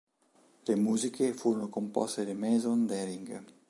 Le musiche furono composte da Mason Daring.